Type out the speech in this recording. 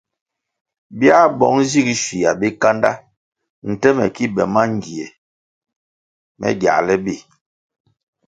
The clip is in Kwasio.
Biā bong zig schua bikanda nte me ki be mangie me giāle bi.